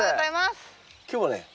今日はね